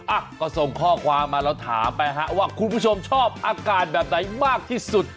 อ่ะก็ส่งข้อความมาเราถามไปฮะว่าคุณผู้ชมชอบอากาศแบบไหนมากที่สุด